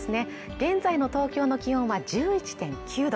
現在の東京の気温は１１．９度